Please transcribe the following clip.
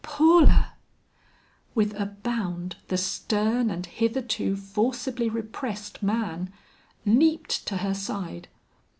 "Paula!" With a bound the stern and hitherto forcibly repressed man, leaped to her side.